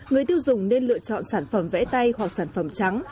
người tiêu dùng nên lựa chọn sản phẩm vẽ tay hoặc sản phẩm trắng